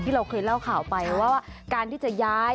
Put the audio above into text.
เราเคยเล่าข่าวไปว่าการที่จะย้าย